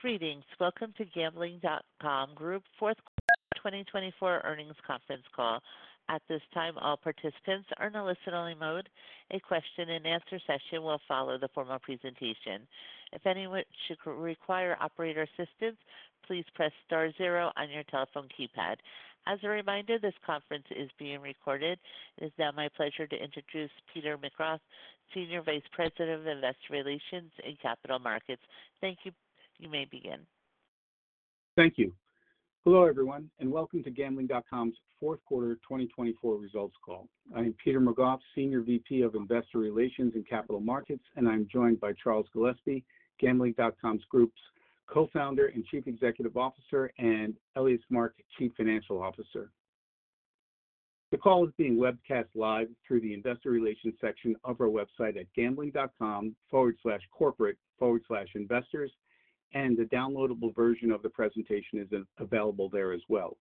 Greetings. Welcome to Gambling.com Group, fourth quarter 2024 earnings conference call. At this time, all participants are in a listen-only mode. A question-and-answer session will follow the formal presentation. If any of you should require operator assistance, please press star zero on your telephone keypad. As a reminder, this conference is being recorded. It is now my pleasure to introduce Peter McGough, Senior Vice President of Investor Relations and Capital Markets. Thank you. You may begin. Thank you. Hello, everyone, and welcome to Gambling.com Group's fourth quarter 2024 results call. I am Peter McGough, Senior Vice President of Investor Relations and Capital Markets, and I'm joined by Charles Gillespie, Gambling.com Group's Co-Founder and Chief Executive Officer, and Elias Mark, Chief Financial Officer. The call is being webcast live through the Investor Relations section of our website at gambling.com/corporate/investors, and the downloadable version of the presentation is available there as well.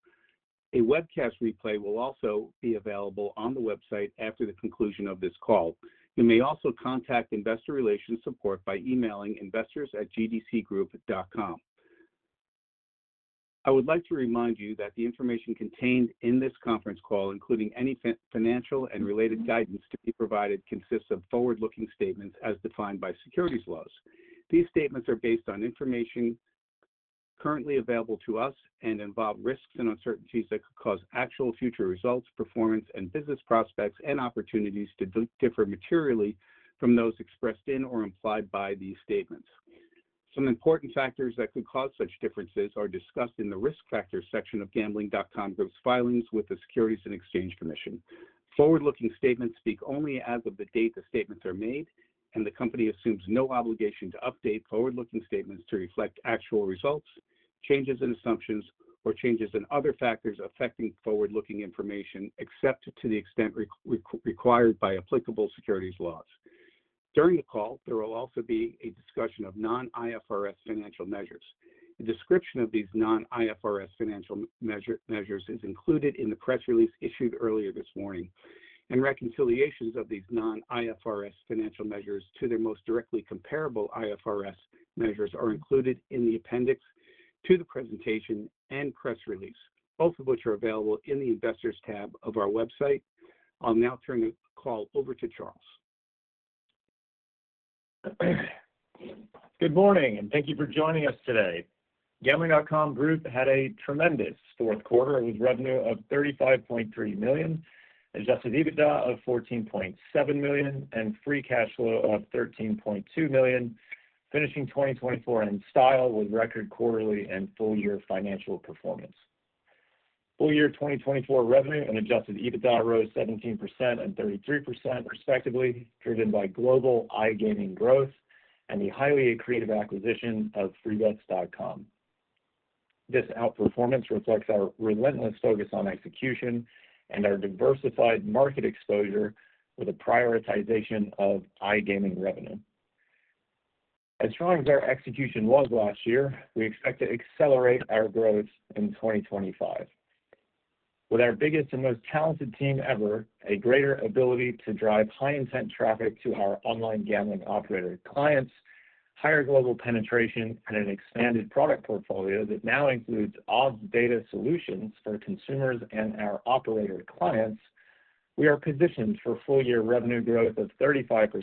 A webcast replay will also be available on the website after the conclusion of this call. You may also contact Investor Relations Support by emailing investors@gdcgroup.com. I would like to remind you that the information contained in this conference call, including any financial and related guidance to be provided, consists of forward-looking statements as defined by securities laws. These statements are based on information currently available to us and involve risks and uncertainties that could cause actual future results, performance, and business prospects, and opportunities to differ materially from those expressed in or implied by these statements. Some important factors that could cause such differences are discussed in the risk factors section of Gambling.com Group's filings with the Securities and Exchange Commission. Forward-looking statements speak only as of the date the statements are made, and the company assumes no obligation to update forward-looking statements to reflect actual results, changes in assumptions, or changes in other factors affecting forward-looking information, except to the extent required by applicable securities laws. During the call, there will also be a discussion of non-IFRS financial measures. The description of these non-IFRS financial measures is included in the press release issued earlier this morning, and reconciliations of these non-IFRS financial measures to their most directly comparable IFRS measures are included in the appendix to the presentation and press release, both of which are available in the Investors tab of our website. I'll now turn the call over to Charles. Good morning, and thank you for joining us today. Gambling.com Group had a tremendous fourth quarter with revenue of $35.3 million, adjusted EBITDA of $14.7 million, and free cash flow of $13.2 million, finishing 2024 in style with record quarterly and full-year financial performance. Full-year 2024 revenue and adjusted EBITDA rose 17% and 33% respectively, driven by global iGaming growth and the highly accretive acquisition of Freebets.com. This outperformance reflects our relentless focus on execution and our diversified market exposure with a prioritization of iGaming revenue. As strong as our execution was last year, we expect to accelerate our growth in 2025. With our biggest and most talented team ever, a greater ability to drive high-intent traffic to our online gambling operator clients, higher global penetration, and an expanded product portfolio that now includes odds data solutions for consumers and our operator clients, we are positioned for full-year revenue growth of 35%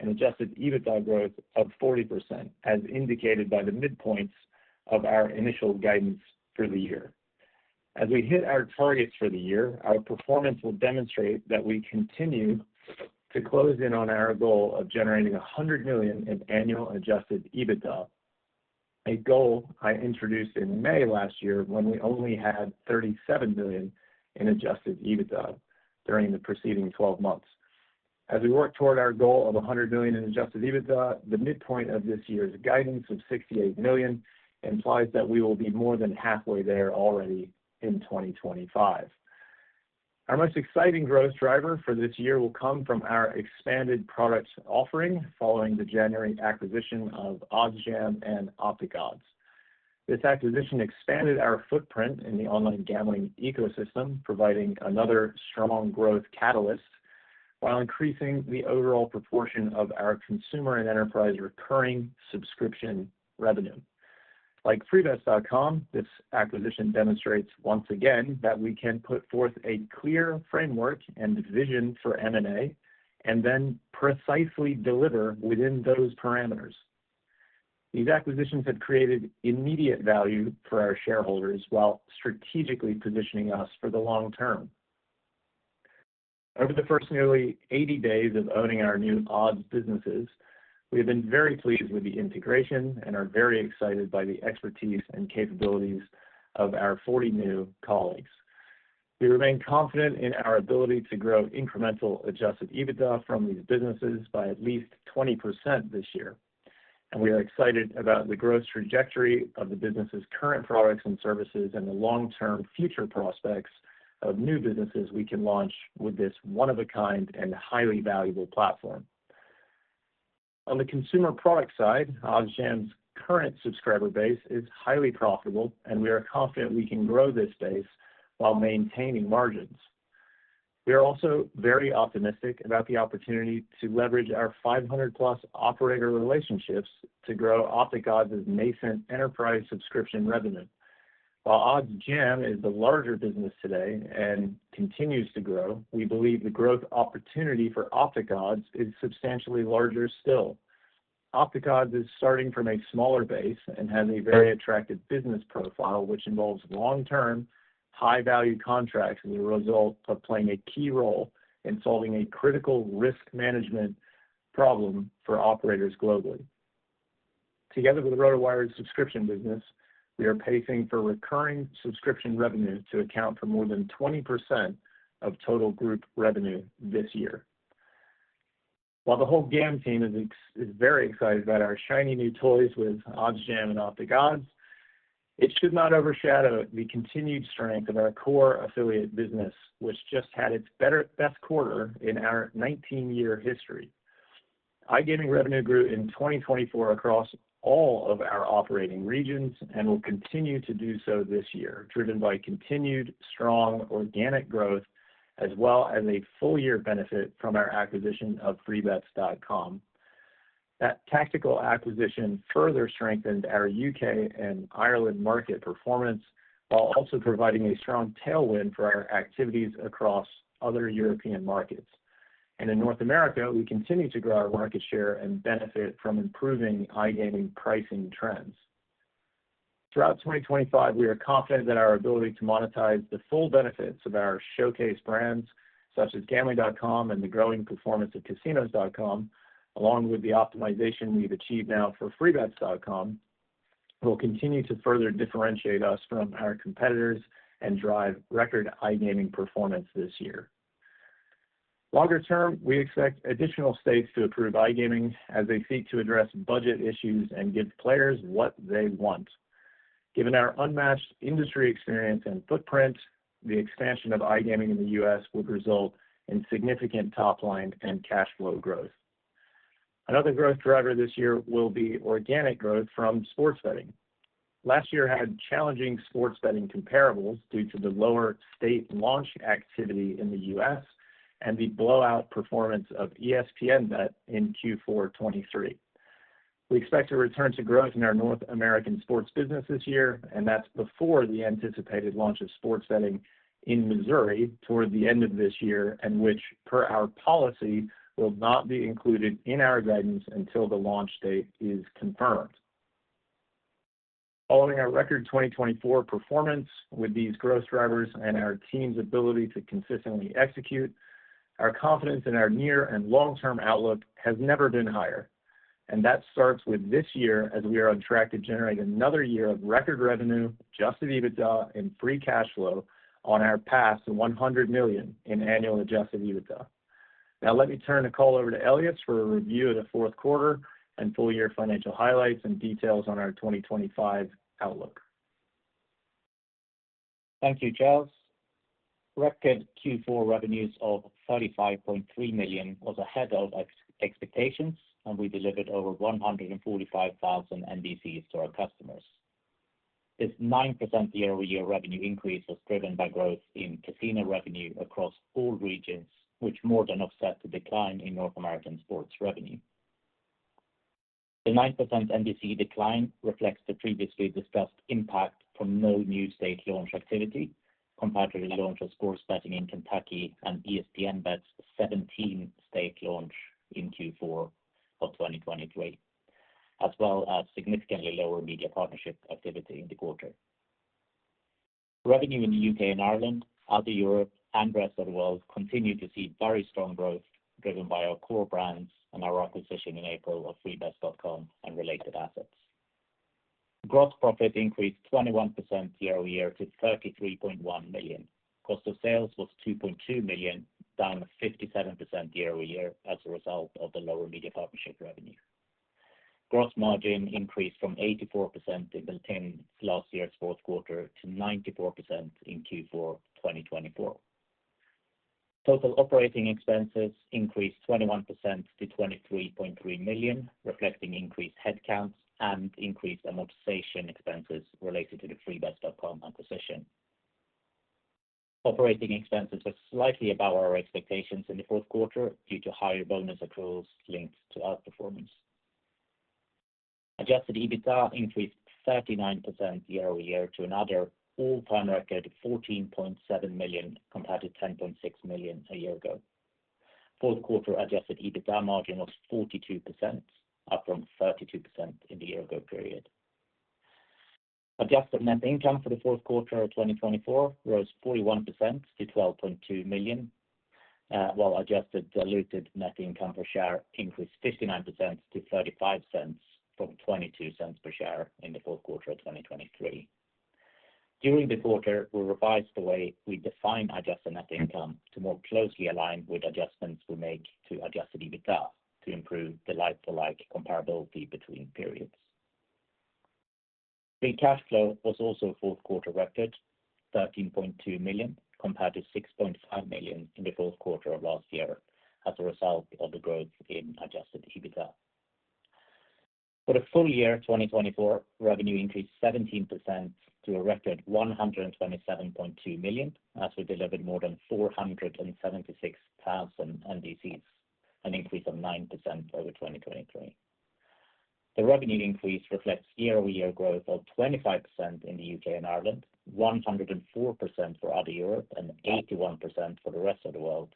and adjusted EBITDA growth of 40%, as indicated by the midpoints of our initial guidance for the year. As we hit our targets for the year, our performance will demonstrate that we continue to close in on our goal of generating $100 million in annual adjusted EBITDA, a goal I introduced in May last year when we only had $37 million in adjusted EBITDA during the preceding 12 months. As we work toward our goal of $100 million in adjusted EBITDA, the midpoint of this year's guidance of $68 million implies that we will be more than halfway there already in 2025. Our most exciting growth driver for this year will come from our expanded product offering following the January acquisition of OddsJam and OpticOdds. This acquisition expanded our footprint in the online gambling ecosystem, providing another strong growth catalyst while increasing the overall proportion of our consumer and enterprise recurring subscription revenue. Like Freebets.com, this acquisition demonstrates once again that we can put forth a clear framework and vision for M&A and then precisely deliver within those parameters. These acquisitions have created immediate value for our shareholders while strategically positioning us for the long term. Over the first nearly 80 days of owning our new odds businesses, we have been very pleased with the integration and are very excited by the expertise and capabilities of our 40 new colleagues. We remain confident in our ability to grow incremental adjusted EBITDA from these businesses by at least 20% this year, and we are excited about the growth trajectory of the business's current products and services and the long-term future prospects of new businesses we can launch with this one-of-a-kind and highly valuable platform. On the consumer product side, OddsJam's current subscriber base is highly profitable, and we are confident we can grow this base while maintaining margins. We are also very optimistic about the opportunity to leverage our 500-plus operator relationships to grow OpticOdds' nascent enterprise subscription revenue. While OddsJam is the larger business today and continues to grow, we believe the growth opportunity for OpticOdds is substantially larger still. OpticOdds is starting from a smaller base and has a very attractive business profile, which involves long-term, high-value contracts as a result of playing a key role in solving a critical risk management problem for operators globally. Together with the RotoWire subscription business, we are pacing for recurring subscription revenue to account for more than 20% of total group revenue this year. While the whole GAM team is very excited about our shiny new toys with OddsJam and OpticOdds, it should not overshadow the continued strength of our core affiliate business, which just had its best quarter in our 19-year history. iGaming revenue grew in 2024 across all of our operating regions and will continue to do so this year, driven by continued strong organic growth as well as a full-year benefit from our acquisition of Freebets.com. That tactical acquisition further strengthened our U.K. and Ireland market performance while also providing a strong tailwind for our activities across other European markets. In North America, we continue to grow our market share and benefit from improving iGaming pricing trends. Throughout 2025, we are confident that our ability to monetize the full benefits of our showcase brands such as Gambling.com and the growing performance of Casinos.com, along with the optimization we've achieved now for Freebets.com, will continue to further differentiate us from our competitors and drive record iGaming performance this year. Longer term, we expect additional states to approve iGaming as they seek to address budget issues and give players what they want. Given our unmatched industry experience and footprint, the expansion of iGaming in the U.S. would result in significant top-line and cash flow growth. Another growth driver this year will be organic growth from sports betting. Last year had challenging sports betting comparables due to the lower state launch activity in the U.S. and the blowout performance of ESPN Bet in Q4 2023. We expect a return to growth in our North American sports business this year, and that's before the anticipated launch of sports betting in Missouri toward the end of this year, and which, per our policy, will not be included in our guidance until the launch date is confirmed. Following our record 2024 performance with these growth drivers and our team's ability to consistently execute, our confidence in our near and long-term outlook has never been higher. That starts with this year as we are on track to generate another year of record revenue, adjusted EBITDA, and free cash flow on our path past $100 million in annual adjusted EBITDA. Now, let me turn the call over to Elias for a review of the fourth quarter and full-year financial highlights and details on our 2025 outlook. Thank you, Charles. Record Q4 revenues of $35.3 million was ahead of expectations, and we delivered over 145,000 NDCs to our customers. This 9% year-over-year revenue increase was driven by growth in casino revenue across all regions, which more than offsets the decline in North American sports revenue. The 9% NDC decline reflects the previously discussed impact from no new state launch activity compared to the launch of sports betting in Kentucky and ESPN Bet's 17 state launch in Q4 of 2023, as well as significantly lower media partnership activity in the quarter. Revenue in the U.K. and Ireland, out of Europe, and rest of the world continue to see very strong growth driven by our core brands and our acquisition in April of Freebets.com and related assets. Gross profit increased 21% year-over-year to $33.1 million. Cost of sales was $2.2 million, down 57% year-over-year as a result of the lower media partnership revenue. Gross margin increased from 84% in last year's 4th quarter to 94% in Q4 2024. Total operating expenses increased 21% to $23.3 million, reflecting increased headcounts and increased amortization expenses related to the Freebets.com acquisition. Operating expenses were slightly above our expectations in the 4th quarter due to higher bonus accruals linked to outperformance. Adjusted EBITDA increased 39% year-over-year to another all-time record of $14.7 million compared to $10.6 million a year ago. 4th quarter adjusted EBITDA margin was 42%, up from 32% in the year-ago period. Adjusted net income for the 4th quarter of 2024 rose 41% to $12.2 million, while adjusted diluted net income per share increased 59% to $0.35 from $0.22 per share in the 4th quarter of 2023. During the quarter, we revised the way we define adjusted net income to more closely align with adjustments we make to adjusted EBITDA to improve the like-for-like comparability between periods. Free cash flow was also a fourth quarter record, $13.2 million compared to $6.5 million in the fourth quarter of last year as a result of the growth in adjusted EBITDA. For the full year, 2024, revenue increased 17% to a record $127.2 million as we delivered more than 476,000 NDCs, an increase of 9% over 2023. The revenue increase reflects year-over-year growth of 25% in the U.K. and Ireland, 104% for out of Europe, and 81% for the rest of the world,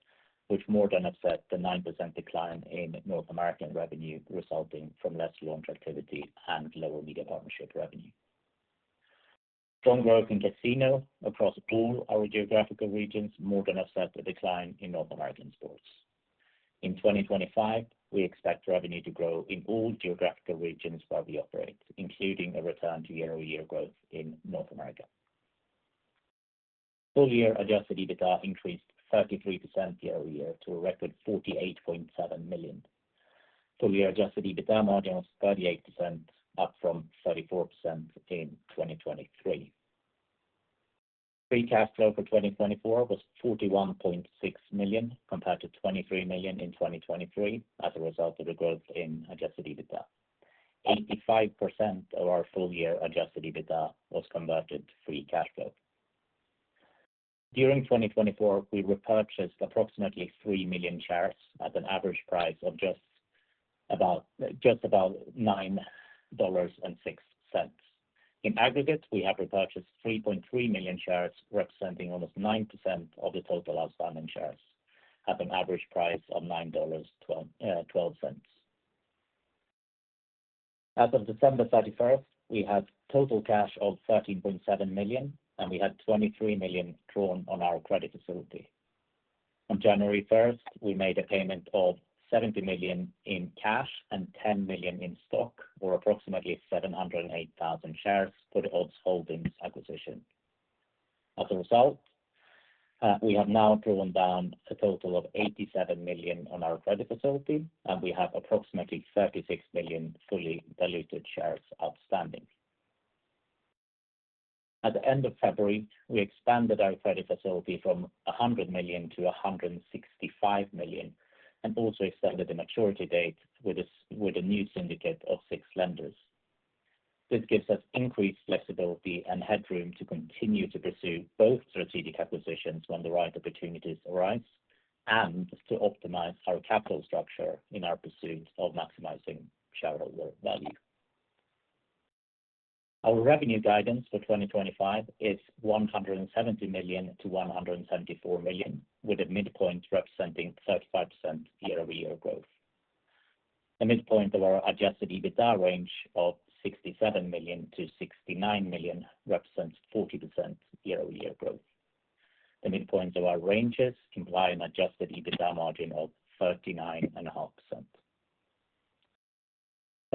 which more than offsets the 9% decline in North American revenue resulting from less launch activity and lower media partnership revenue. Strong growth in casino across all our geographical regions more than offsets the decline in North American sports. In 2025, we expect revenue to grow in all geographical regions where we operate, including a return to year-over-year growth in North America. Full-year adjusted EBITDA increased 33% year-over-year to a record $48.7 million. Full-year adjusted EBITDA margin was 38%, up from 34% in 2023. Free cash flow for 2024 was $41.6 million compared to $23 million in 2023 as a result of the growth in adjusted EBITDA. 85% of our full-year adjusted EBITDA was converted to free cash flow. During 2024, we repurchased approximately 3 million shares at an average price of just about $9.06. In aggregate, we have repurchased 3.3 million shares, representing almost 9% of the total outstanding shares at an average price of $9.12. As of December 31, we hHd total cash of $13.7 million, and we had $23 million drawn on our credit facility. On January 1, we made a payment of $70 million in cash and $10 million in stock, or approximately 708,000 shares for the Odds Holdings acquisition. As a result, we have now drawn down a total of $87 million on our credit facility, and we have approximately 36 million fully diluted shares outstanding. At the end of February, we expanded our credit facility from $100 million to $165 million and also extended the maturity date with a new syndicate of six lenders. This gives us increased flexibility and headroom to continue to pursue both strategic acquisitions when the right opportunities arise and to optimize our capital structure in our pursuit of maximizing shareholder value. Our revenue guidance for 2025 is $170 million-$174 million, with a midpoint representing 35% year-over-year growth. The midpoint of our adjusted EBITDA range of $67 million-$69 million represents 40% year-over-year growth. The midpoint of our ranges implies an adjusted EBITDA margin of 39.5%.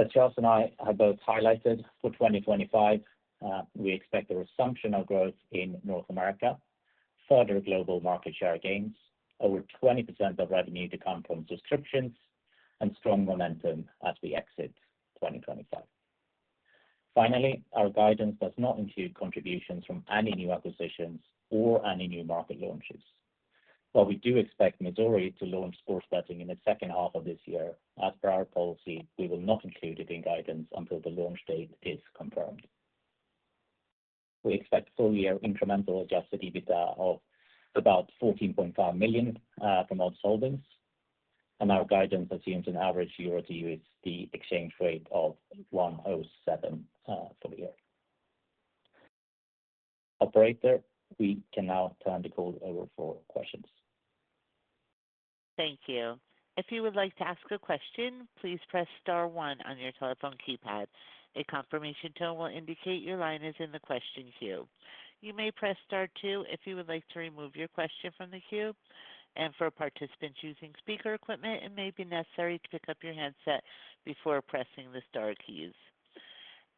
As Charles and I have both highlighted, for 2025, we expect a resumption of growth in North America, further global market share gains, over 20% of revenue to come from subscriptions, and strong momentum as we exit 2025. Finally, our guidance does not include contributions from any new acquisitions or any new market launches. While we do expect Missouri to launch sports betting in the second half of this year, as per our policy, we will not include it in guidance until the launch date is confirmed. We expect full-year incremental adjusted EBITDA of about $14.5 million from Odds holdings, and our guidance assumes an average year-over-year exchange rate of $1.07 for the year. Operator, we can now turn the call over for questions. Thank you. If you would like to ask a question, please press star one on your telephone keypad. A confirmation tone will indicate your line is in the question queue. You may press star two if you would like to remove your question from the queue. For participants using speaker equipment, it may be necessary to pick up your handset before pressing the star keys.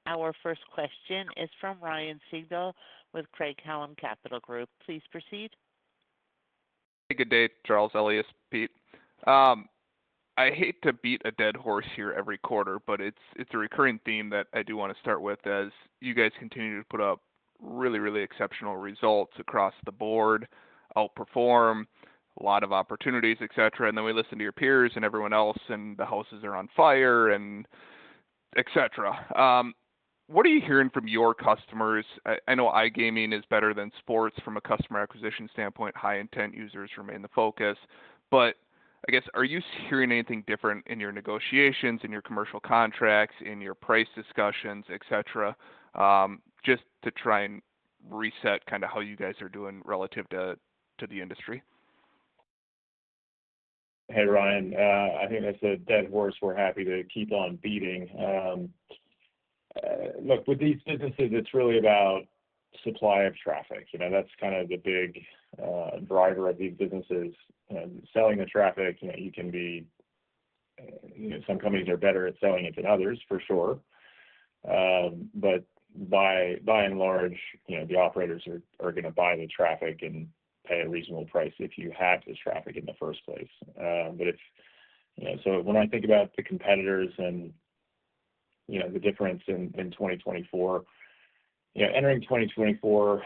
Our first question is from Ryan Sigdahl with Craig-Hallum Capital Group. Please proceed. Hey, good day, Charles, Elias, Pete. I hate to beat a dead horse here every quarter, but it's a recurring theme that I do want to start with as you guys continue to put up really, really exceptional results across the board, outperform, a lot of opportunities, et cetera. We listen to your peers and everyone else, and the houses are on fire, and et cetera. What are you hearing from your customers? I know iGaming is better than sports from a customer acquisition standpoint. High-intent users remain the focus. I guess, are you hearing anything different in your negotiations, in your commercial contracts, in your price discussions, et cetera, just to try and reset kind of how you guys are doing relative to the industry? Hey, Ryan. I think I said dead horse. We're happy to keep on beating. Look, with these businesses, it's really about supply of traffic. That's kind of the big driver of these businesses. Selling the traffic, you can be some companies are better at selling it than others, for sure. By and large, the operators are going to buy the traffic and pay a reasonable price if you have this traffic in the first place. When I think about the competitors and the difference in 2024, entering 2024,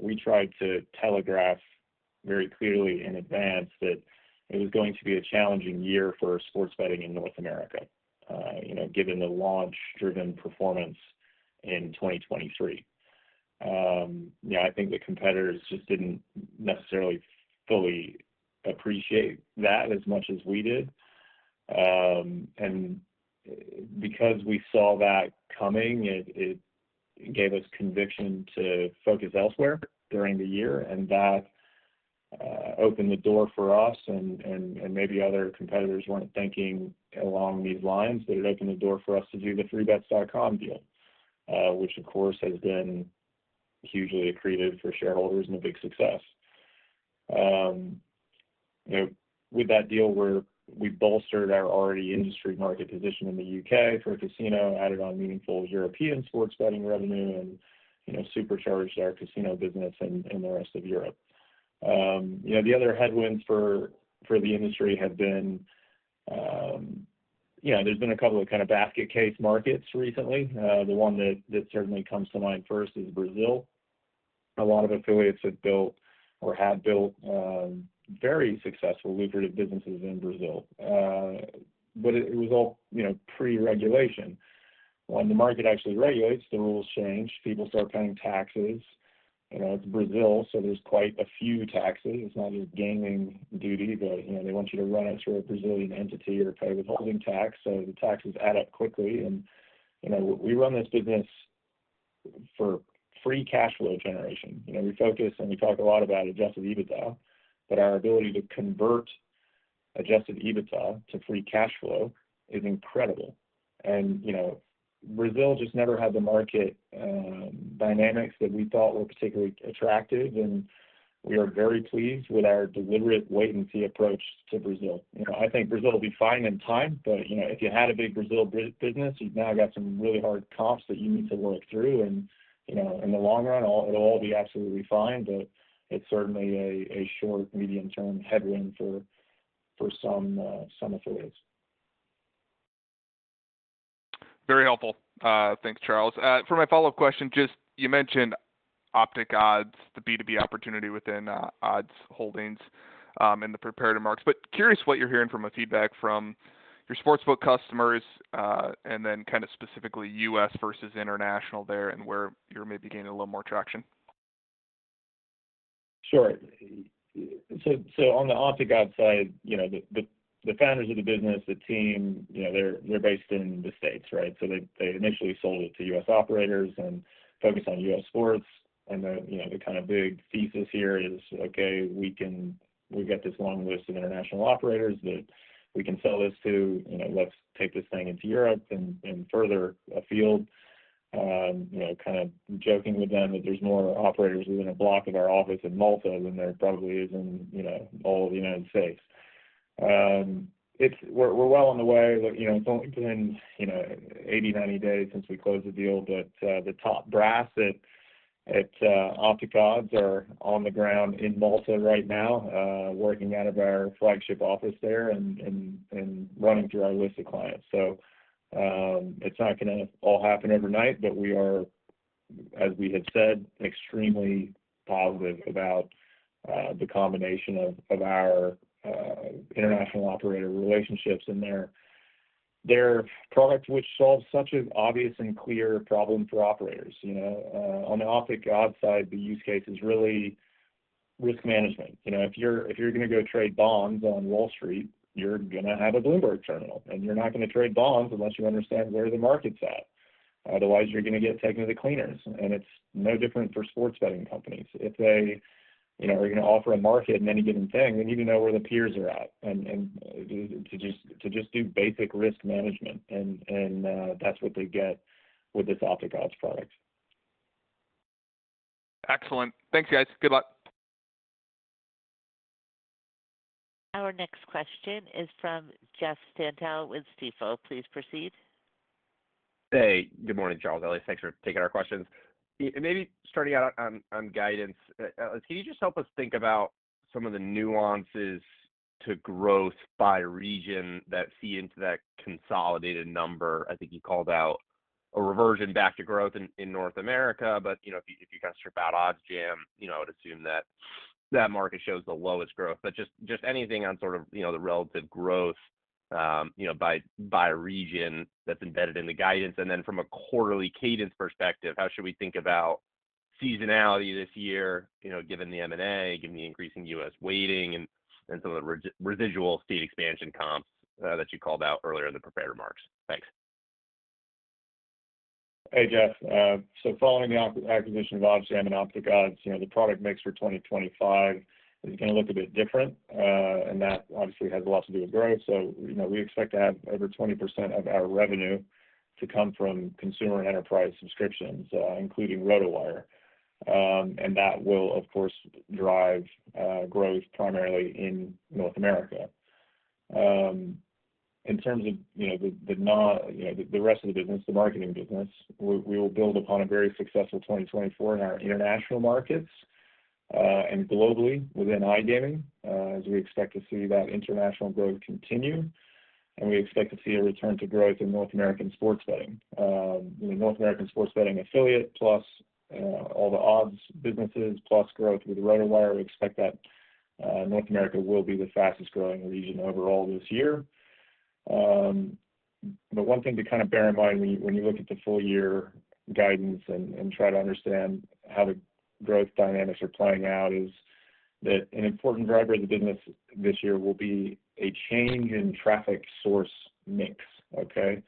we tried to telegraph very clearly in advance that it was going to be a challenging year for sports betting in North America, given the launch-driven performance in 2023. I think the competitors just didn't necessarily fully appreciate that as much as we did. Because we saw that coming, it gave us conviction to focus elsewhere during the year. That opened the door for us. Maybe other competitors were not thinking along these lines, but it opened the door for us to do the Freebets.com deal, which, of course, has been hugely accretive for shareholders and a big success. With that deal, we bolstered our already industry-market position in the U.K. for a casino, added on meaningful European sports betting revenue, and supercharged our casino business in the rest of Europe. The other headwinds for the industry have been there have been a couple of kind of basket case markets recently. The one that certainly comes to mind first is Brazil. A lot of affiliates have built or had built very successful, lucrative businesses in Brazil. It was all pre-regulation. When the market actually regulates, the rules change. People start paying taxes. It's Brazil, so there's quite a few taxes. It's not just gaming duty, but they want you to run it through a Brazilian entity or pay withholding tax. The taxes add up quickly. We run this business for free cash flow generation. We focus and we talk a lot about adjusted EBITDA, but our ability to convert adjusted EBITDA to free cash flow is incredible. Brazil just never had the market dynamics that we thought were particularly attractive. We are very pleased with our deliberate wait-and-see approach to Brazil. I think Brazil will be fine in time, but if you had a big Brazil business, you've now got some really hard comps that you need to work through. In the long run, it'll all be absolutely fine, but it's certainly a short-medium-term headwind for some affiliates. Very helpful. Thanks, Charles. For my follow-up question, just you mentioned OpticOdds, the B2B opportunity within Odds Holdings and the prepared remarks. Curious what you're hearing from the feedback from your sportsbook customers and then kind of specifically U.S. versus international there and where you're maybe gaining a little more traction. Sure. On the OpticOdds side, the founders of the business, the team, they're based in the States, right? They initially sold it to U.S. operators and focused on U.S. sports. The kind of big thesis here is, "Okay, we've got this long list of international operators that we can sell this to. Let's take this thing into Europe and further afield." Kind of joking with them that there's more operators within a block of our office in Malta than there probably is in all of the United States. We're well on the way. It's only been 80 days-90 days since we closed the deal, but the top brass at OpticOdds are on the ground in Malta right now, working out of our flagship office there and running through our list of clients. It is not going to all happen overnight, but we are, as we have said, extremely positive about the combination of our international operator relationships and their product, which solves such an obvious and clear problem for operators. On the OpticOdds side, the use case is really risk management. If you are going to go trade bonds on Wall Street, you are going to have a Bloomberg terminal. You are not going to trade bonds unless you understand where the market is at. Otherwise, you are going to get taken to the cleaners. It is no different for sports betting companies. If they are going to offer a market in any given thing, they need to know where the peers are at and to just do basic risk management. That is what they get with this OpticOdds product. Excellent. Thanks, guys. Good luck. Our next question is from Jeff Stantial with Stifel. Please proceed. Hey, good morning, Charles. Elias, thanks for taking our questions. Maybe starting out on guidance, can you just help us think about some of the nuances to growth by region that feed into that consolidated number? I think you called out a reversion back to growth in North America, but if you kind of strip out OddsJam, I would assume that that market shows the lowest growth. Just anything on sort of the relative growth by region that's embedded in the guidance. From a quarterly cadence perspective, how should we think about seasonality this year, given the M&A, given the increasing U.S. weighting, and some of the residual state expansion comps that you called out earlier in the preparatory marks? Thanks. Hey, Jeff. Following the acquisition of OddsJam and OpticOdds, the product mix for 2025 is going to look a bit different. That obviously has a lot to do with growth. We expect to have over 20% of our revenue come from consumer and enterprise subscriptions, including RotoWire. That will, of course, drive growth primarily in North America. In terms of the rest of the business, the marketing business, we will build upon a very successful 2024 in our international markets and globally within iGaming, as we expect to see that international growth continue. We expect to see a return to growth in North American sports betting. North American sports betting affiliate plus all the odds businesses plus growth with RotoWire, we expect that North America will be the fastest-growing region overall this year. One thing to kind of bear in mind when you look at the full-year guidance and try to understand how the growth dynamics are playing out is that an important driver of the business this year will be a change in traffic source mix, okay?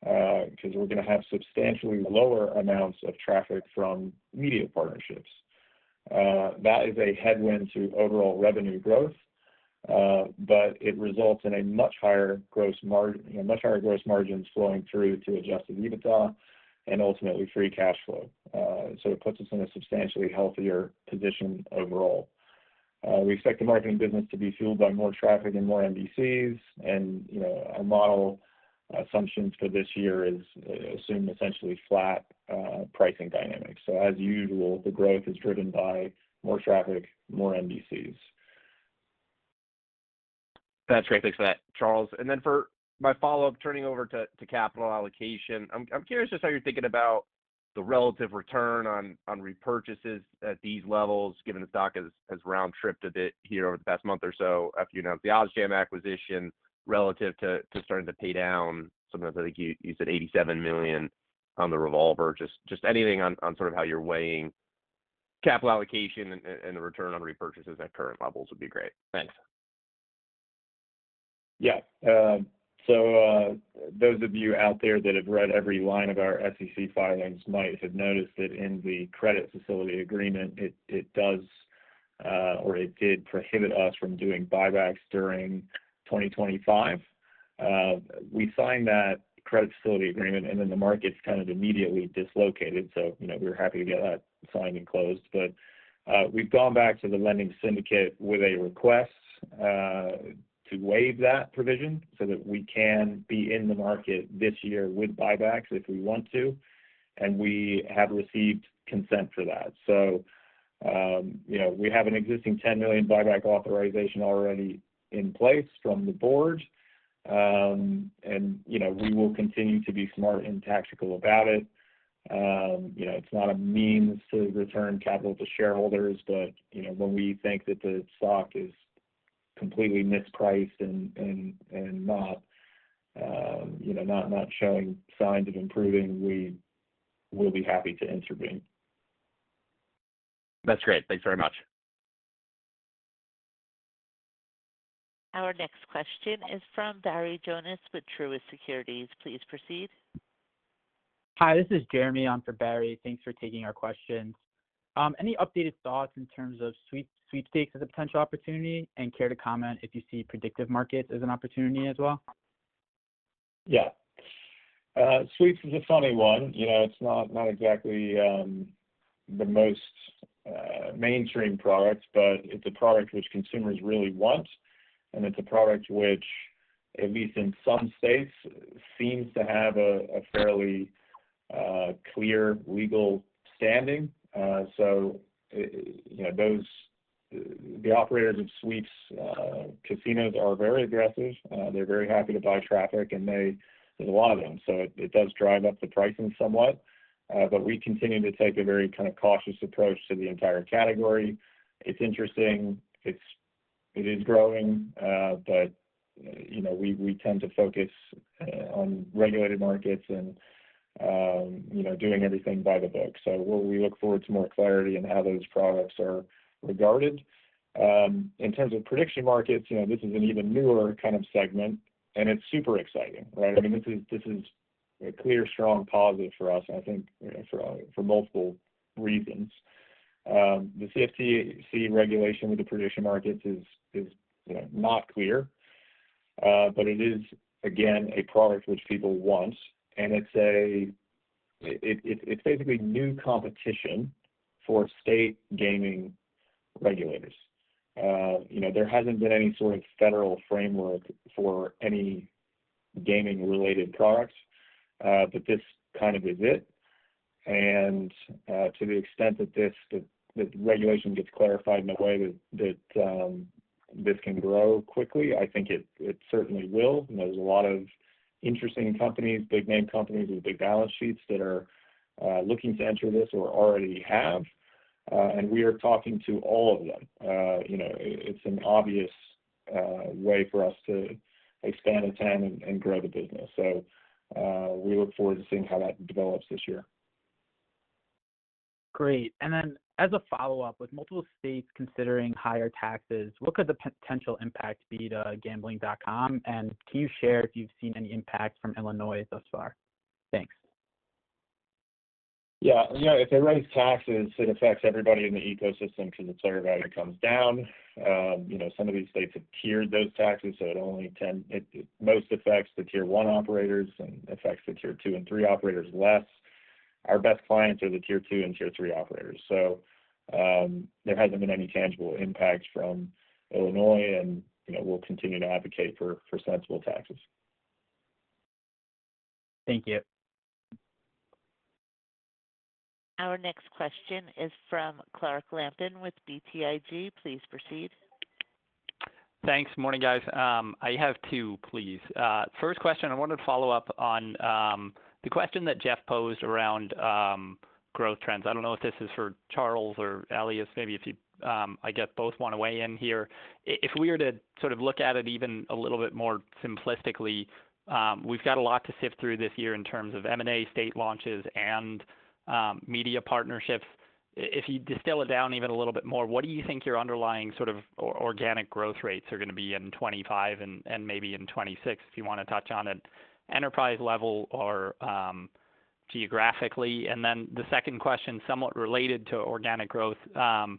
Because we're going to have substantially lower amounts of traffic from media partnerships. That is a headwind to overall revenue growth, but it results in much higher gross margins flowing through to adjusted EBITDA and ultimately free cash flow. It puts us in a substantially healthier position overall. We expect the marketing business to be fueled by more traffic and more NDCs. Our model assumptions for this year assume essentially flat pricing dynamics. As usual, the growth is driven by more traffic, more NDCs. That's great. Thanks for that, Charles. For my follow-up, turning over to capital allocation, I'm curious just how you're thinking about the relative return on repurchases at these levels, given the stock has round tripped a bit here over the past month or so after you announced the OddsJam acquisition relative to starting to pay down. Sometimes I think you said $87 million on the revolver. Just anything on sort of how you're weighing capital allocation and the return on repurchases at current levels would be great. Thanks. Yeah. Those of you out there that have read every line of our SEC filings might have noticed that in the credit facility agreement, it does or it did prohibit us from doing buybacks during 2025. We signed that credit facility agreement, and then the market's kind of immediately dislocated. We were happy to get that signed and closed. We have gone back to the lending syndicate with a request to waive that provision so that we can be in the market this year with buybacks if we want to. We have received consent for that. We have an existing $10 million buyback authorization already in place from the board. We will continue to be smart and tactical about it. It's not a means to return capital to shareholders, but when we think that the stock is completely mispriced and not showing signs of improving, we will be happy to intervene. That's great. Thanks very much. Our next question is from Barry Jonas with Truist Securities. Please proceed. Hi, this is Jeremy on for Barry. Thanks for taking our questions. Any updated thoughts in terms of sweepstakes as a potential opportunity and care to comment if you see predictive markets as an opportunity as well? Yeah. Sweeps is a funny one. It's not exactly the most mainstream product, but it's a product which consumers really want. It's a product which, at least in some states, seems to have a fairly clear legal standing. The operators of sweeps casinos are very aggressive. They're very happy to buy traffic, and there's a lot of them. It does drive up the pricing somewhat. We continue to take a very kind of cautious approach to the entire category. It's interesting. It is growing, but we tend to focus on regulated markets and doing everything by the book. We look forward to more clarity in how those products are regarded. In terms of prediction markets, this is an even newer kind of segment, and it's super exciting, right? I mean, this is a clear, strong positive for us, I think, for multiple reasons. The CFTC regulation with the prediction markets is not clear, but it is, again, a product which people want. It is basically new competition for state gaming regulators. There has not been any sort of federal framework for any gaming-related products, but this kind of is it. To the extent that the regulation gets clarified in a way that this can grow quickly, I think it certainly will. There are a lot of interesting companies, big-name companies with big balance sheets that are looking to enter this or already have. We are talking to all of them. It is an obvious way for us to expand the tent and grow the business. We look forward to seeing how that develops this year. Great. As a follow-up, with multiple states considering higher taxes, what could the potential impact be to Gambling.com? Can you share if you've seen any impact from Illinois thus far? Thanks. Yeah. If they raise taxes, it affects everybody in the ecosystem because the player value comes down. Some of these states have tiered those taxes, so it only most affects the tier 1 operators and affects the tier 2 and tier 3 operators less. Our best clients are the tier 1 and tier 3 operators. There hasn't been any tangible impact from Illinois, and we'll continue to advocate for sensible taxes. Thank you. Our next question is from Clark Lampen with BTIG. Please proceed. Thanks. Morning, guys. I have two, please. First question, I wanted to follow up on the question that Jeff posed around growth trends. I do not know if this is for Charles or Elias. Maybe if you, I guess, both want to weigh in here. If we were to sort of look at it even a little bit more simplistically, we have got a lot to sift through this year in terms of M&A, state launches, and media partnerships. If you distill it down even a little bit more, what do you think your underlying sort of organic growth rates are going to be in 2025 and maybe in 2026, if you want to touch on it, enterprise level or geographically? The second question, somewhat related to organic growth, I'm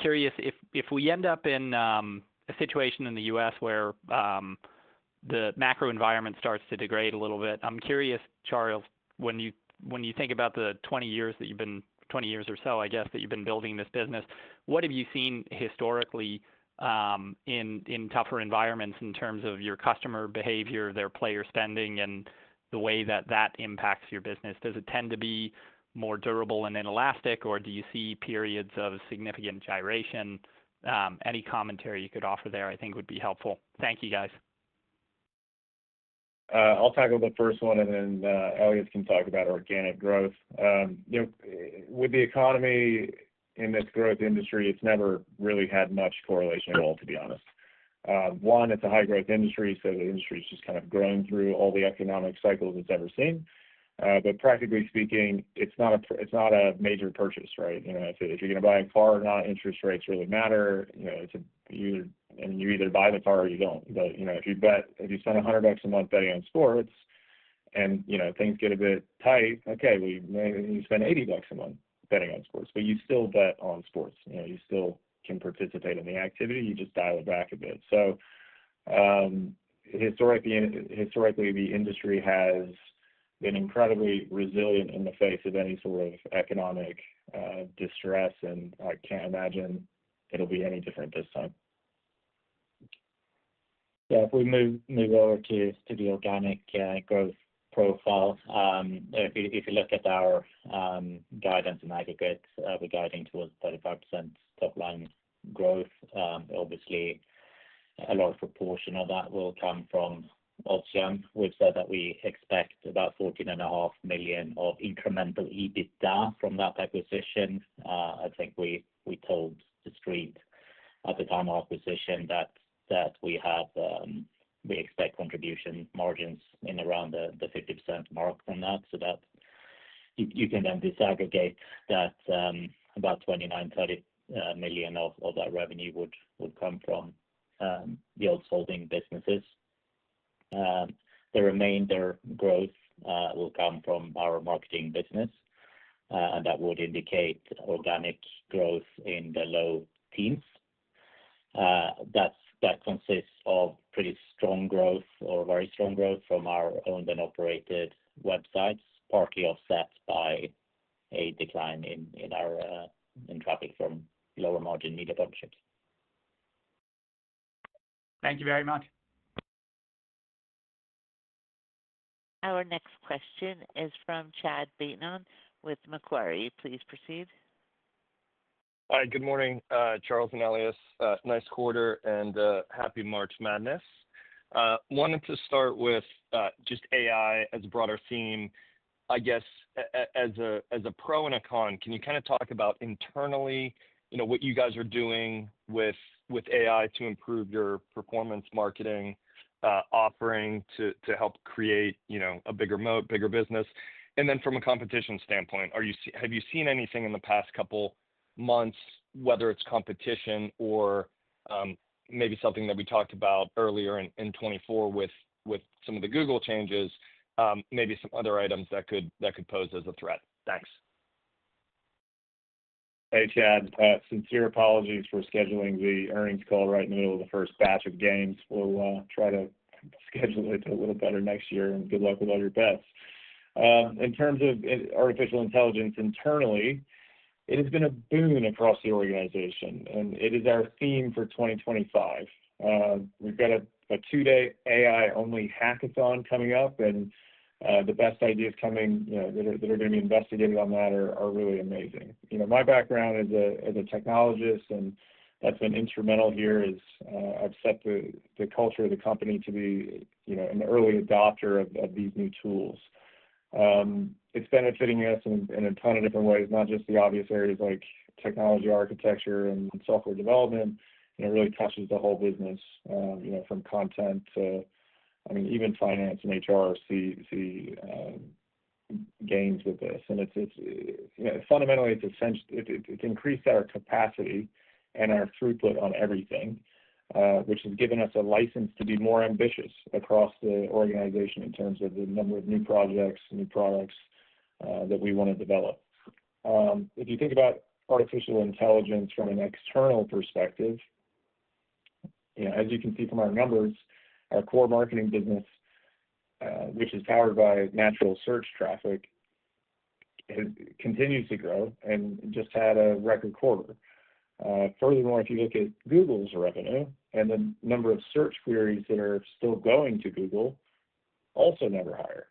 curious if we end up in a situation in the U.S. where the macro environment starts to degrade a little bit. I'm curious, Charles, when you think about the 20 years that you've been, 20 years or so, I guess, that you've been building this business, what have you seen historically in tougher environments in terms of your customer behavior, their player spending, and the way that that impacts your business? Does it tend to be more durable and inelastic, or do you see periods of significant gyration? Any commentary you could offer there, I think, would be helpful. Thank you, guys. I'll tackle the first one, and then Elias can talk about organic growth. With the economy in this growth industry, it's never really had much correlation at all, to be honest. One, it's a high-growth industry, so the industry is just kind of growing through all the economic cycles it's ever seen. Practically speaking, it's not a major purchase, right? If you're going to buy a car, interest rates really matter. You either buy the car or you don't. If you spend $100 a month betting on sports and things get a bit tight, you spend $80 a month betting on sports, but you still bet on sports. You still can participate in the activity. You just dial it back a bit. Historically, the industry has been incredibly resilient in the face of any sort of economic distress, and I can't imagine it'll be any different this time. Yeah. If we move over to the organic growth profile, if you look at our guidance in aggregate, we're guiding towards 35% top-line growth. Obviously, a large proportion of that will come from OddsJam. We've said that we expect about $14.5 million of incremental EBITDA from that acquisition. I think we told the street at the time of acquisition that we expect contribution margins in around the 50% mark from that. You can then disaggregate that about $29 million-$30 million of that revenue would come from the Odds Holdings businesses. The remainder growth will come from our marketing business, and that would indicate organic growth in the low teens. That consists of pretty strong growth or very strong growth from our owned and operated websites, partly offset by a decline in traffic from lower-margin media partnerships. Thank you very much. Our next question is from Chad Beynon with Macquarie. Please proceed. Hi. Good morning, Charles and Elias. Nice quarter and happy March Madness. Wanted to start with just AI as a broader theme. I guess as a pro and a con, can you kind of talk about internally what you guys are doing with AI to improve your performance marketing offering to help create a bigger moat, bigger business? Then from a competition standpoint, have you seen anything in the past couple months, whether it's competition or maybe something that we talked about earlier in 2024 with some of the Google changes, maybe some other items that could pose as a threat? Thanks. Hey, Chad. Sincere apologies for scheduling the earnings call right in the middle of the first batch of games. We'll try to schedule it a little better next year. Good luck with all your bets. In terms of artificial intelligence internally, it has been a boon across the organization, and it is our theme for 2025. We've got a two-day AI-only hackathon coming up, and the best ideas coming that are going to be investigated on that are really amazing. My background as a technologist, and that's been instrumental here, is I've set the culture of the company to be an early adopter of these new tools. It's benefiting us in a ton of different ways, not just the obvious areas like technology architecture and software development. It really touches the whole business from content to, I mean, even finance and HR see gains with this. Fundamentally, it's increased our capacity and our throughput on everything, which has given us a license to be more ambitious across the organization in terms of the number of new projects, new products that we want to develop. If you think about artificial intelligence from an external perspective, as you can see from our numbers, our core marketing business, which is powered by natural search traffic, continues to grow and just had a record quarter. Furthermore, if you look at Google's revenue and the number of search queries that are still going to Google, also never higher.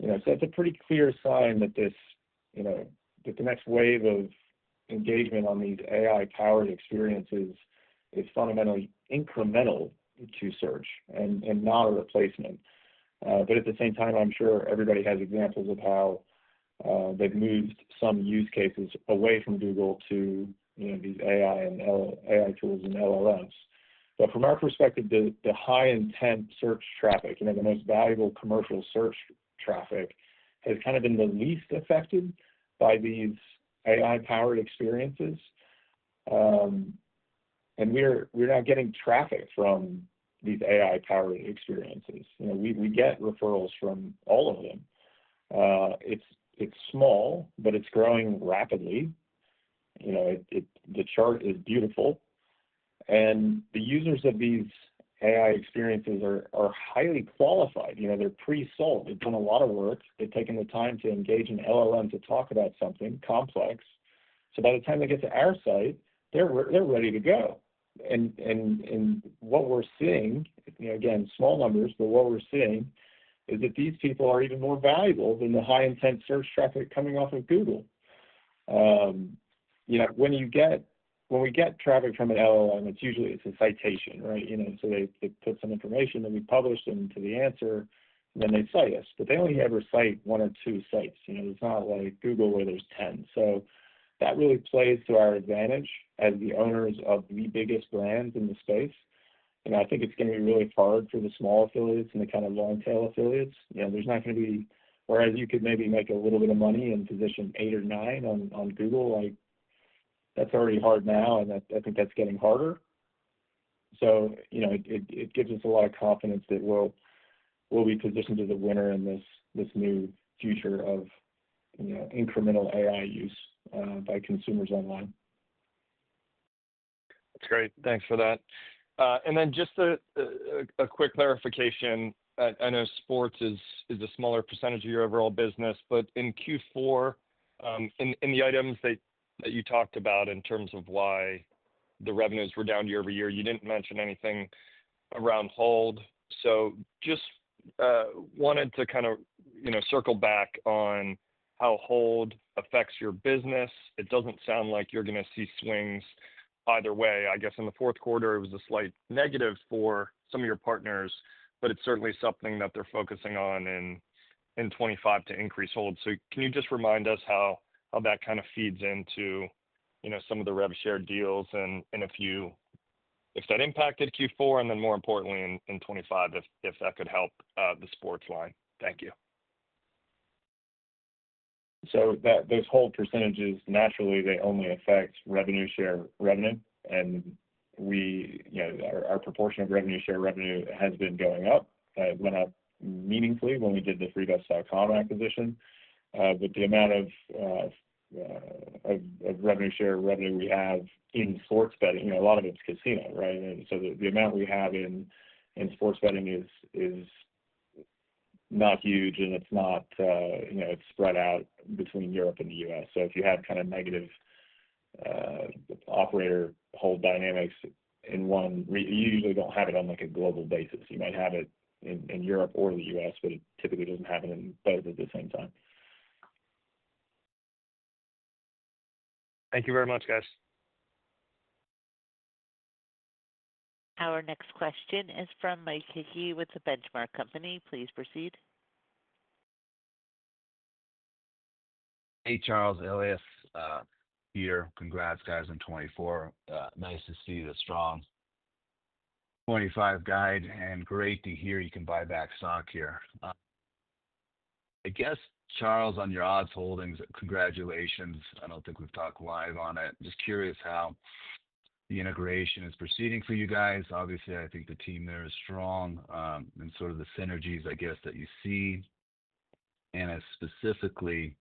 That is a pretty clear sign that the next wave of engagement on these AI-powered experiences is fundamentally incremental to search and not a replacement. At the same time, I'm sure everybody has examples of how they've moved some use cases away from Google to these AI tools and LLMs. From our perspective, the high-intent search traffic, the most valuable commercial search traffic, has kind of been the least affected by these AI-powered experiences. We are now getting traffic from these AI-powered experiences. We get referrals from all of them. It is small, but it is growing rapidly. The chart is beautiful. The users of these AI experiences are highly qualified. They are pre-sold. They have done a lot of work. They have taken the time to engage an LLM to talk about something complex. By the time they get to our site, they are ready to go. What we are seeing, again, small numbers, but what we are seeing is that these people are even more valuable than the high-intent search traffic coming off of Google. When we get traffic from an LLM, it is usually a citation, right? They put some information that we published into the answer, and then they cite us. They only ever cite one or two sites. It's not like Google where there's 10. That really plays to our advantage as the owners of the biggest brands in the space. I think it's going to be really hard for the small affiliates and the kind of long-tail affiliates. There's not going to be, whereas you could maybe make a little bit of money and position eight or nine on Google, that's already hard now, and I think that's getting harder. It gives us a lot of confidence that we'll be positioned as a winner in this new future of incremental AI use by consumers online. That's great. Thanks for that. Just a quick clarification. I know sports is a smaller percentage of your overall business, but in Q4, in the items that you talked about in terms of why the revenues were down year-over-year, you did not mention anything around hold. I just wanted to kind of circle back on how hold affects your business. It does not sound like you are going to see swings either way. I guess in the fourth quarter, it was a slight negative for some of your partners, but it is certainly something that they are focusing on in 2025 to increase hold. Can you just remind us how that kind of feeds into some of the rev share deals and if that impacted Q4 and then, more importantly, in 2025, if that could help the sports line? Thank you. Those hold percentages, naturally, they only affect revenue-share revenue. Our proportion of revenue-share revenue has been going up. It went up meaningfully when we did the Freebets.com acquisition. The amount of revenue-share revenue we have in sports betting, a lot of it is casino, right? The amount we have in sports betting is not huge, and it is spread out between Europe and the U.S. If you have kind of negative operator hold dynamics in one, you usually do not have it on a global basis. You might have it in Europe or the U.S., but it typically does not happen in both at the same time. Thank you very much, guys. Our next question is from Mike Hickey with The Benchmark Company. Please proceed. Hey, Charles. Elias, Peter, congrats, guys, on 2024. Nice to see the strong 2025 guide, and great to hear you can buy back stock here. I guess, Charles, on your Odds Holdings, congratulations. I don't think we've talked live on it. Just curious how the integration is proceeding for you guys. Obviously, I think the team there is strong and sort of the synergies, I guess, that you see. Specifically,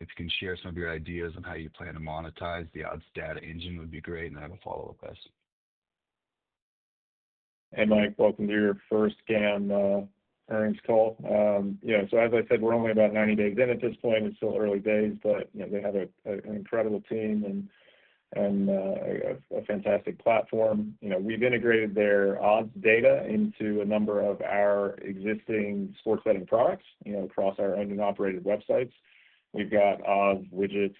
if you can share some of your ideas on how you plan to monetize, the odds data engine would be great, and I have a follow-up question. Hey, Mike. Welcome to your first Gam earnings call. As I said, we're only about 90 days in at this point. It's still early days, but they have an incredible team and a fantastic platform. We've integrated their odds data into a number of our existing sports betting products across our owned and operated websites. We've got odds widgets,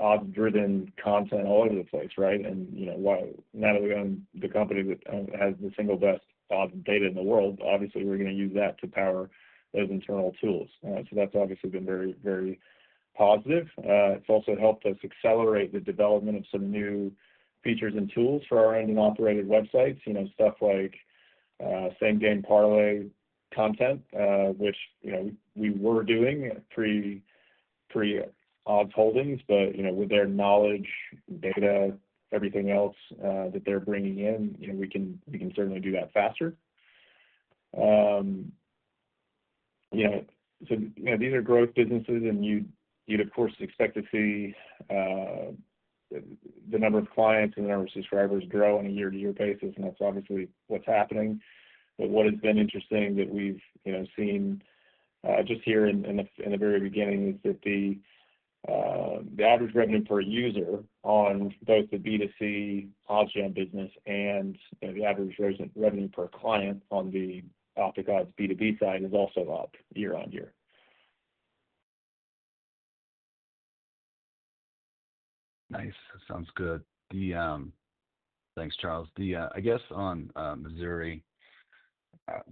odds-driven content all over the place, right? Now that we own the company that has the single best odds data in the world, obviously, we're going to use that to power those internal tools. That's obviously been very, very positive. It's also helped us accelerate the development of some new features and tools for our owned and operated websites, stuff like same-game parlay content, which we were doing pre-Odds Holdings. With their knowledge, data, everything else that they're bringing in, we can certainly do that faster. These are growth businesses, and you'd, of course, expect to see the number of clients and the number of subscribers grow on a year-to-year basis, and that's obviously what's happening. What has been interesting that we've seen just here in the very beginning is that the average revenue per user on both the B2C OddsJam business and the average revenue per client on the OpticOdds B2B side is also up year on year. Nice. That sounds good. Thanks, Charles. I guess on Missouri,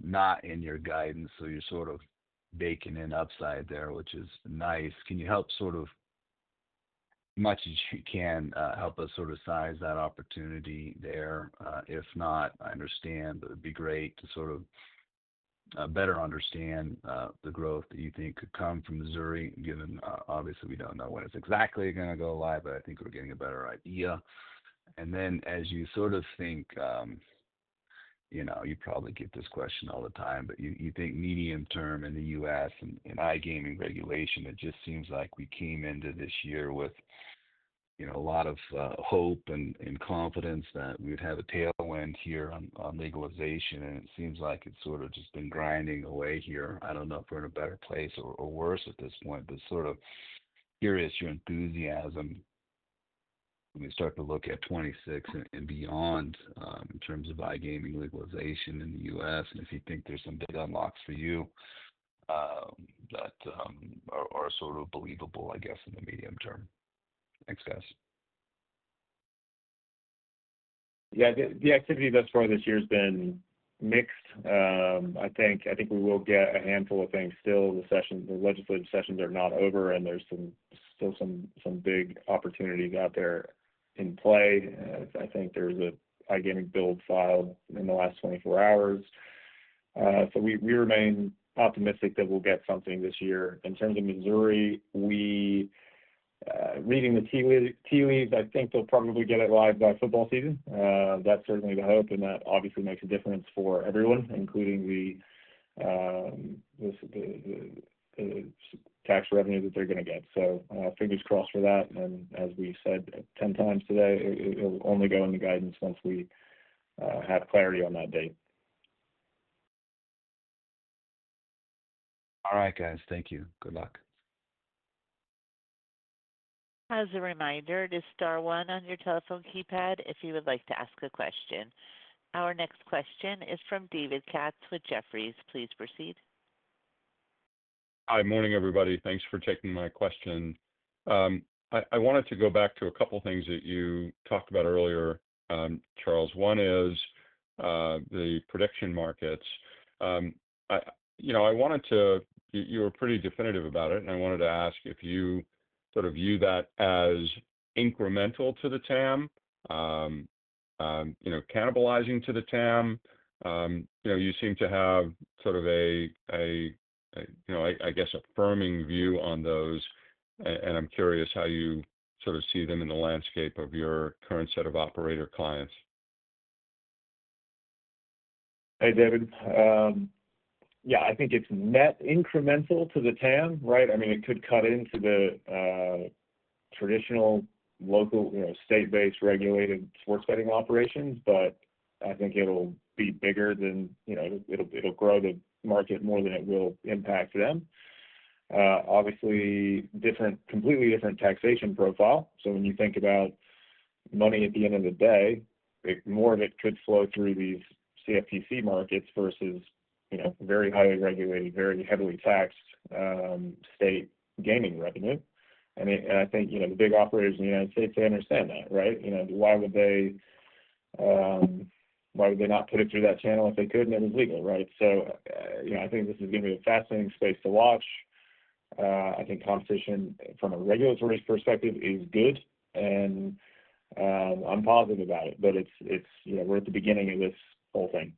not in your guidance, so you're sort of baking in upside there, which is nice. Can you help sort of as much as you can help us sort of size that opportunity there? If not, I understand, but it'd be great to sort of better understand the growth that you think could come from Missouri, given obviously we don't know when it's exactly going to go live, but I think we're getting a better idea. As you sort of think, you probably get this question all the time, but you think medium term in the U.S. and iGaming regulation, it just seems like we came into this year with a lot of hope and confidence that we would have a tailwind here on legalization, and it seems like it's sort of just been grinding away here. I don't know if we're in a better place or worse at this point, but sort of curious your enthusiasm when we start to look at 2026 and beyond in terms of iGaming legalization in the U.S. and if you think there's some big unlocks for you that are sort of believable, I guess, in the medium term. Thanks, guys. Yeah. The activity thus far this year has been mixed. I think we will get a handful of things still. The legislative sessions are not over, and there are still some big opportunities out there in play. I think there was an iGaming bill filed in the last 24 hours. We remain optimistic that we will get something this year. In terms of Missouri, reading the tea leaves, I think they will probably get it live by football season. That is certainly the hope, and that obviously makes a difference for everyone, including the tax revenue that they are going to get. Fingers crossed for that. As we said 10 times today, it will only go in the guidance once we have clarity on that date. All right, guys. Thank you. Good luck. As a reminder, to star one on your telephone keypad if you would like to ask a question. Our next question is from David Katz with Jefferies. Please proceed. Hi, morning, everybody. Thanks for taking my question. I wanted to go back to a couple of things that you talked about earlier, Charles. One is the prediction markets. I wanted to—you were pretty definitive about it, and I wanted to ask if you sort of view that as incremental to the TAM, cannibalizing to the TAM. You seem to have sort of a, I guess, affirming view on those, and I'm curious how you sort of see them in the landscape of your current set of operator clients. Hey, David. Yeah, I think it's net incremental to the TAM, right? I mean, it could cut into the traditional local state-based regulated sports betting operations, but I think it'll be bigger than—it'll grow the market more than it will impact them. Obviously, completely different taxation profile. When you think about money at the end of the day, more of it could flow through these CFTC markets versus very highly regulated, very heavily taxed state gaming revenue. I think the big operators in the United States, they understand that, right? Why would they not put it through that channel if they could, and it was legal, right? I think this is going to be a fascinating space to watch. I think competition from a regulatory perspective is good, and I'm positive about it, but we're at the beginning of this whole thing.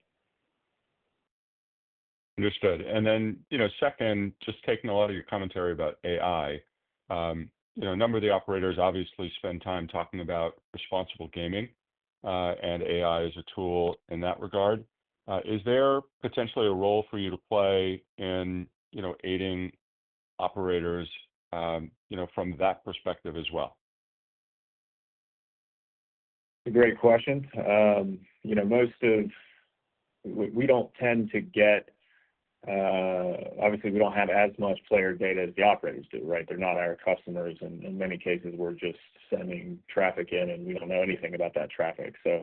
Understood. Then second, just taking a lot of your commentary about AI, a number of the operators obviously spend time talking about responsible gaming and AI as a tool in that regard. Is there potentially a role for you to play in aiding operators from that perspective as well? It's a great question. Most of—we don't tend to get—obviously, we don't have as much player data as the operators do, right? They're not our customers. In many cases, we're just sending traffic in, and we don't know anything about that traffic. We are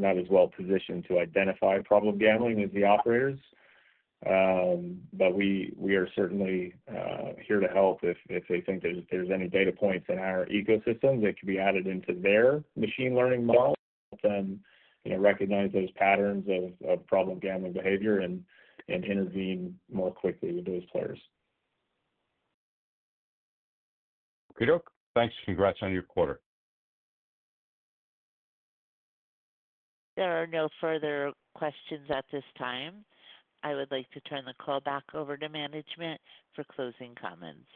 not as well positioned to identify problem gambling as the operators. We are certainly here to help if they think there's any data points in our ecosystem that could be added into their machine learning model to help them recognize those patterns of problem gambling behavior and intervene more quickly with those players. Peter? Thanks. Congrats on your quarter. There are no further questions at this time. I would like to turn the call back over to management for closing comments.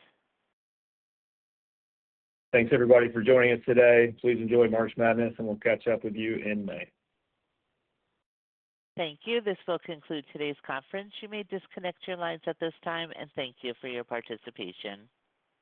Thanks, everybody, for joining us today. Please enjoy March Madness, and we'll catch up with you in May. Thank you. This will conclude today's conference. You may disconnect your lines at this time, and thank you for your participation.